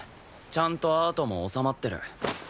ちゃんとアートも収まってる。